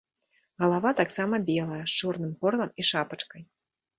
Галава таксама белая, з чорным горлам і шапачкай.